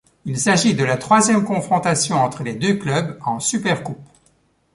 Il s'agit de la troisième confrontation entre les deux clubs en Supercoupe.